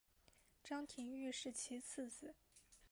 张廷玉是其次子。